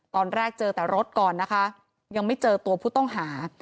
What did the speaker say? ตอนแรกเจอแต่รถก่อนนะคะยังไม่เจอตัวผู้ต้องหา